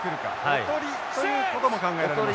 おとりということも考えられます。